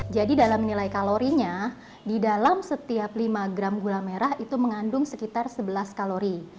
jadi dalam nilai kalorinya di dalam setiap lima gram gula merah itu mengandung sekitar sebelas kalori